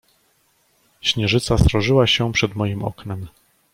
"Śnieżyca srożyła się przed moim oknem."